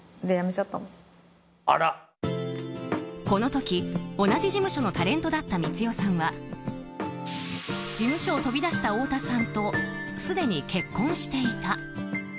この時、同じ事務所のタレントだった光代さんは事務所を飛び出した太田さんとすでに結婚していた。